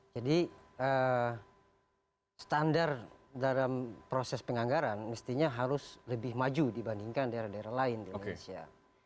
jadi standar dalam proses penganggaran mestinya harus lebih maju dibandingkan daerah daerah lain di indonesia